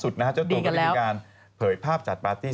ก็มีการเผยภาพจัดปาร์ตี้